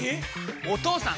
お義父さん！